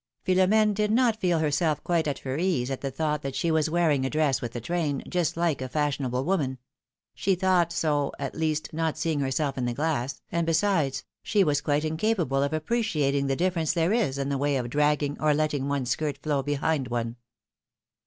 Philom^ne did not feel herself quite at her ease at the thought that she was wearing a dress with a train, just like a fashionable woman ; she thought so, at least, not seeing herself in the glass, and besides, she was quite incapable of appreciating the difference there is in the way of drag ging or letting one's skirt flow behind one.